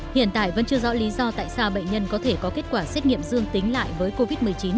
hiện tại vẫn chưa rõ lý do tại sao bệnh nhân có thể có kết quả xét nghiệm dương tính lại với covid một mươi chín